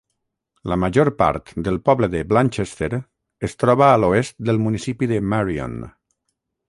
La major part del poble de Blanchester es troba a l'oest del municipi de Marion.